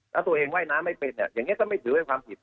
แล้วตัวเองว่ายน้ำไม่เป็นอย่างนี้ก็ไม่ถือเป็นความผิด